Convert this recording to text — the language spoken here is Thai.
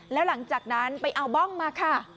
แล้วหลังจากนั้นไปเอาบ้องมาค่ะ